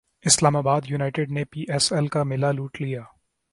اسلام باد یونائٹیڈ نے P S L کا میلہ لوٹ لیا